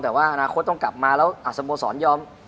แต่ว่าอนาคตต้องกลับมาแล้วสโมสรยอม